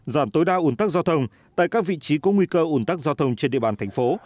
giảm tối đa ủn tắc giao thông tại các vị trí có nguy cơ ủn tắc giao thông trên địa bàn thành phố